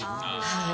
はい。